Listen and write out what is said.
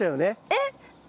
えっ？